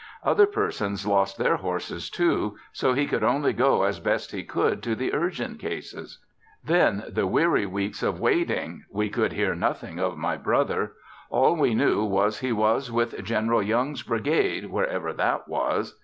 Other persons lost their horses too, so he could only go as best he could to the urgent cases. Then the weary weeks of waiting, we could hear nothing of my brother. All we knew was he was with General Young's brigade wherever that was.